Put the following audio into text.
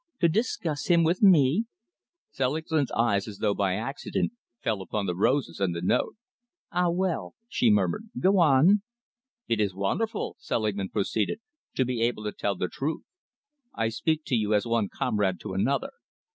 "To discuss him with me?" Selingman's eyes as though by accident fell upon the roses and the note. "Ah, well," she murmured, "go on." "It is wonderful," Selingman proceeded, "to be able to tell the truth. I speak to you as one comrade to another.